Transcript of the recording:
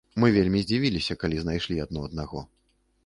Мы вельмі здзівіліся, калі знайшлі адно аднаго.